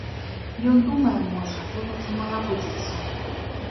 Ён думае можа, гэтак яму і абыдзецца!